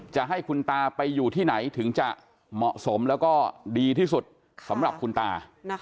จะให้คุณตาไปอยู่ที่ไหนถึงจะเหมาะสมแล้วก็ดีที่สุดสำหรับคุณตา